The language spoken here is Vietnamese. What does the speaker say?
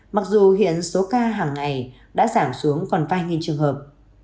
mặc dù hiện số ca hàng ngày đã giảm xuống còn vài nghìn trường hợp